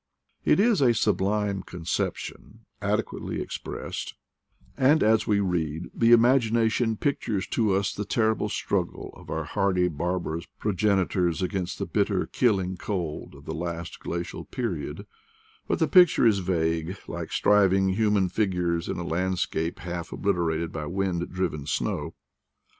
It is a sublime conception, adequately ex pressed; and as we read the imagination pictures to us the terrible struggle of our hardy barbarous progenitors against the bitter killing cold of the last glacial period; but the picture is vague, like striving human figures in a landscape half oblit erated by wind driven snow.